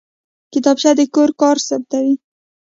کتابچه د کور کار ثبتوي